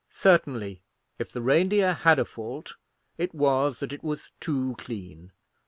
Certainly, if the Reindeer had a fault, it was that it was too clean.